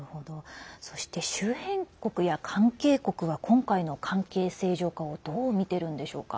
そして、周辺国や関係国は今回の関係正常化をどうみているんでしょうか？